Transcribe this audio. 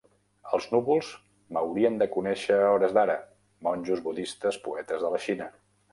"Els núvols m'haurien de conèixer a hores d'ara: monjos budistes poetes de la Xina".